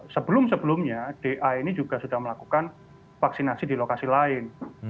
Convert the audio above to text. sebelum sebelumnya da ini juga sudah melakukan vaksinasi di lokasi lain